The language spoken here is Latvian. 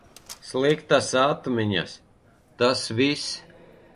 Sliktas atmiņas, tas viss.